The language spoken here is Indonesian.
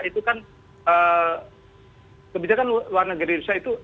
itu kan kebijakan warna giri rusia itu